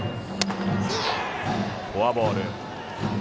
フォアボール。